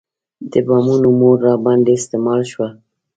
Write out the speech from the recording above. د بمونو مور راباندې استعمال شوه.